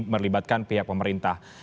melibatkan pihak pemerintah